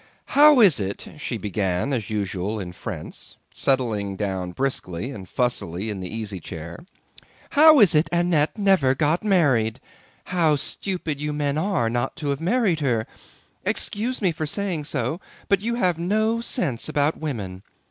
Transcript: "How is it," she began, as usual in French, settling down briskly and fussily in the easy chair, "how is it Annette never got married? How stupid you men all are not to have married her! Excuse me for saying so, but you have no sense about women.